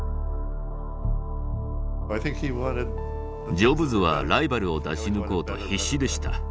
ジョブズはライバルを出し抜こうと必死でした。